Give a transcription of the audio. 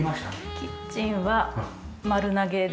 キッチンは丸投げです。